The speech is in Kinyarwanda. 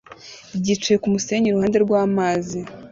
ryicaye kumusenyi iruhande rwamazi